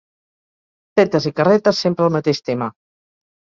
Tetes i carretes, sempre el mateix tema.